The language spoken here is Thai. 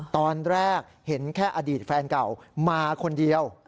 ตอนแรกเห็นแค่อดีตแฟนเก่ามาคนเดียว